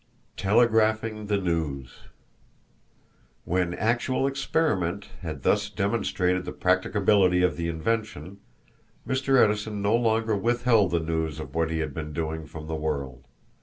Telegraphing the News. When actual experiment had thus demonstrated the practicability of the invention, Mr. Edison no longer withheld the news of what he had been doing from the world.